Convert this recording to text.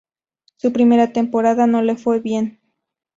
Su primera temporada no le fue bien.